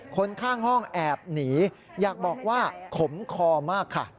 คนข้างห้องแอบหนีอยากบอกว่าขมคอมากค่ะ